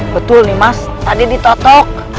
betul nih mas tadi ditotok